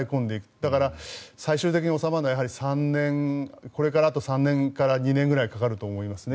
だから、最終的に収まるのはこれからあと３年、２年ぐらいかかると思いますね。